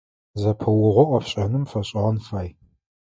Зэпыугъо IофшIэным фэшIыгъэн фай.